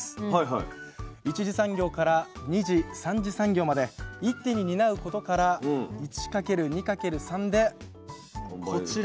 １次産業から２次３次産業まで一手に担うことから１掛ける２掛ける３でこちら。